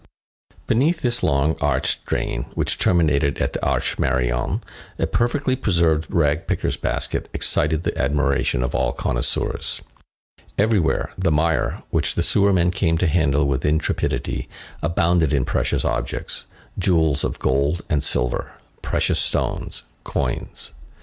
Beneath this long, arched drain which terminated at the Arche Marion, a perfectly preserved rag picker's basket excited the admiration of all connoisseurs. Everywhere, the mire, which the sewermen came to handle with intrepidity, abounded in precious objects, jewels of gold and silver, precious stones, coins.